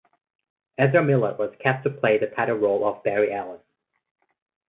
Ezra Miller was cast to play the title role of Barry Allen.